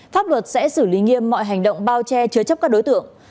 pháp luật sẽ xử lý nghiêm mọi hành động bao che chứa chấp các đối tượng